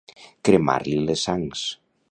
Cremar-li les sangs.